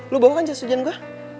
lo bawa kan jas hujan gue